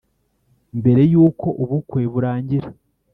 mbere yuko ubukwe burangira